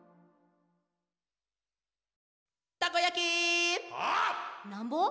「たこやき」「なんぼ？」